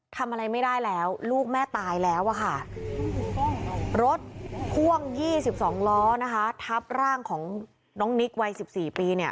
ทำอะไรไม่ได้แล้วลูกแม่ตายแล้วอะค่ะรถพ่วง๒๒ล้อนะคะทับร่างของน้องนิกวัย๑๔ปีเนี่ย